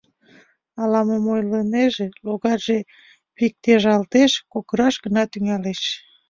Ала-мом ойлынеже — логарже пиктежалтеш, кокыраш гына тӱҥалеш.